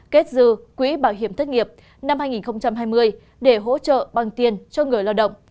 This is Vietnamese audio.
kết dư quỹ bảo hiểm thất nghiệp năm hai nghìn hai mươi để hỗ trợ bằng tiền cho người lao động